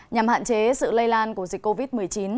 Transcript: nhằm hạn chế sự lây lan của dịch covid một mươi chín